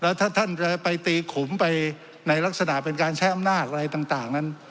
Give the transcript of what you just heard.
ถ้าท่านจะไปตีขุมไปในลักษณะเป็นการใช้อำนาจอะไรต่างนั้น